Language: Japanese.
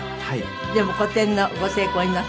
でも個展のご成功祈ってます。